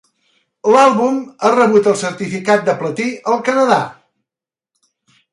L'àlbum ha rebut el certificat de platí al Canadà.